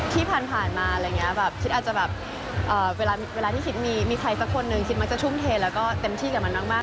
ที่ผ่านมาอะไรอย่างนี้แบบคิดอาจจะแบบเวลาที่คิดมีใครสักคนหนึ่งคิดมักจะทุ่มเทแล้วก็เต็มที่กับมันมาก